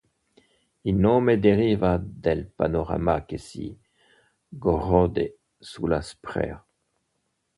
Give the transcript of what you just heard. Il nome deriva dal panorama che si gode sulla Sprea.